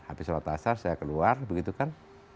habis sholat asar saya keluar begitu kan